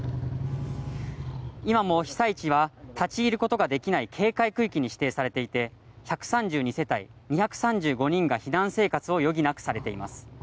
今も被災地は立ち入ることができない警戒区域に指定されていて１３２世帯２３５人が避難生活を余儀なくされています